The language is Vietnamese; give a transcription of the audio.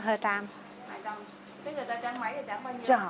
thế người ta tráng máy là tráng bao nhiêu